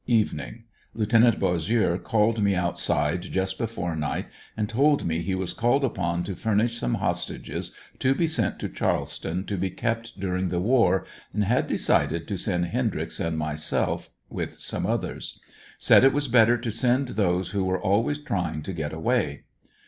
Evening. — Lieut. Bossieux called me outside just before night and told me he was called upon to furnish some hostages to be sent to Charleston to be kept during the war, and had decided to send ANDERSONVILLE BIART, 33 Hendryx and myself, with some others. Said it was better to send those who were always trying to got away.